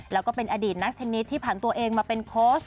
แล้วก็เป็นอดีตนักเทนนิสที่ผ่านตัวเองมาเป็นโค้ช